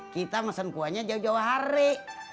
kita mesen kuahnya jauh jauh hari